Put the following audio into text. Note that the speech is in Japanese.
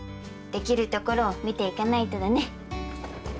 できるところを見ていかないとだね。